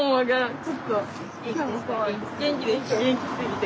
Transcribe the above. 元気すぎて。